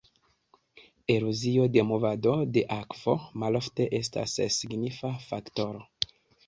Erozio de movado de akvo malofte estas signifa faktoro.